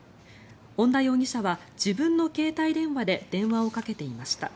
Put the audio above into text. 恩田容疑者は自分の携帯電話で電話をかけていました。